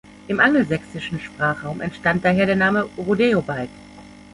Im angelsächsischen Sprachraum entstand daher der Name „Rodeo-Bike“.